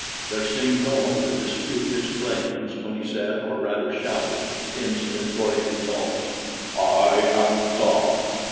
There seemed no one to dispute his claims when he said, or rather shouted, in stentorian tones: "I am Tsa.